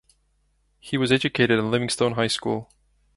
He was educated at Livingstone High School.